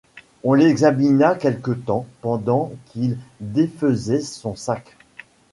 On l’examina quelque temps pendant qu’il défaisait son sac.